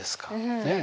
ねえ。